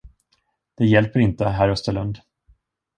Det hjälper inte, herr Österlund.